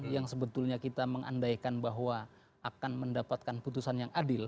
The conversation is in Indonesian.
yang sebetulnya kita mengandaikan bahwa akan mendapatkan putusan yang adil